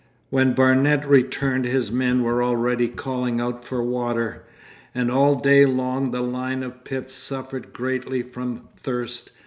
When Barnet returned his men were already calling out for water, and all day long the line of pits suffered greatly from thirst.